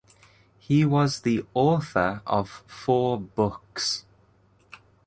He was the author of four books.